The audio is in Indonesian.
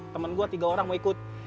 temen gue tiga orang mau ikut